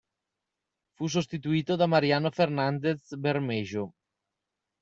Fu sostituito da Mariano Fernández Bermejo.